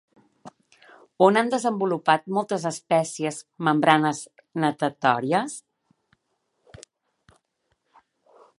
On han desenvolupat moltes espècies membranes natatòries?